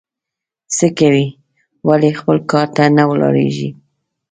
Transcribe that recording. څه کوې ؟ ولي خپل کار ته نه ولاړېږې؟